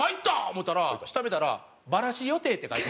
思うたら下見たら「バラシ予定」って書いて。